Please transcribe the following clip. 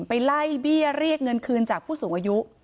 ไปไล่เบี้ยเรียกเงินคืนจากผู้สูงอายุ